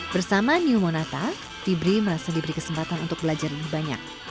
bersama new monata fibri merasa diberi kesempatan untuk belajar lebih banyak